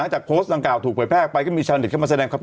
หลังจากโพสต์ต่างกล่าวถูกปล่อยแพร่กไปก็มีชาวนิดเข้ามาแสดงครับ